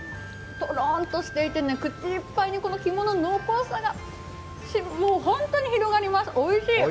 とろんとしていて口いっぱいに肝の濃厚さが本当に広がります、おいしい。